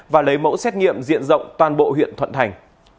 và lấy mẫu xét nghiệm diện rộng toàn bộ huyện thuận thành